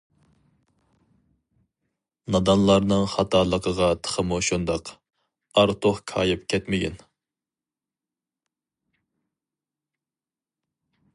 نادانلارنىڭ خاتالىقىغا تېخىمۇ شۇنداق، ئارتۇق كايىپ كەتمىگىن.